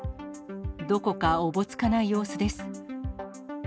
どこかおぼつかない様子です。